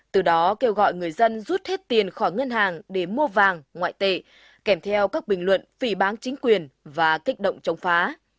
từ đó kêu gọi người dân rút hết tiền khỏi ngân hàng để mua vàng ngoại tệ kèm theo các bình luận phỉ báng chính quyền và kích động chống phá